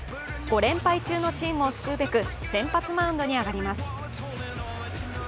５連敗中のチームを救うべく先発マウンドに上がります。